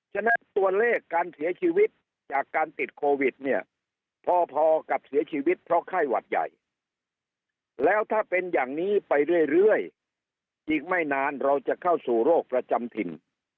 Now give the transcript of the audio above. ฉะนั้นตัวเลขการเสียชีวิตจากการติดโควิดเนี่ยพอกับเสียชีวิตเพราะไข้หวัดใหญ่แล้วถ้าเป็นอย่างนี้ไปเรื่อยอีกไม่นานเราจะเข้าสู่โรคประจำถิ่น